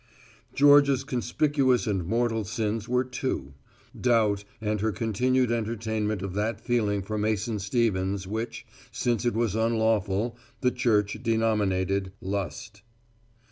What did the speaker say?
Georgia's conspicuous and mortal sins were two Doubt and her continued entertainment of that feeling for Mason Stevens which, since it was unlawful, the Church denominated Lust.